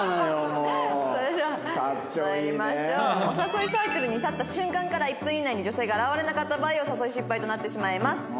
お誘いサークルに立った瞬間から１分以内に女性が現れなかった場合お誘い失敗となってしまいます。